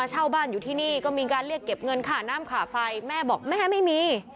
หน้ามขาไฟแม่บอกแม่ไม่มี